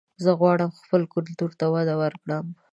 زه غواړم خپل کلتور ته وده ورکړم